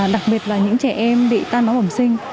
đặc biệt là những trẻ em bị tan máu bẩm sinh